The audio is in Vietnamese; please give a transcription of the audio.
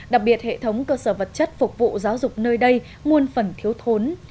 đặc biệt hệ thống cơ sở vật chất phục vụ giáo dục nơi đây muôn phần thiếu thốn